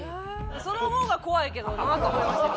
その方が怖いけどなって思いました今。